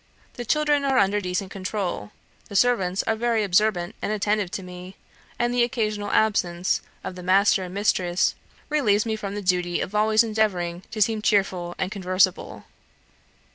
The children are under decent control, the servants are very observant and attentive to me, and the occasional absence of the master and mistress relieves me from the duty of always endeavouring to seem cheerful and conversable.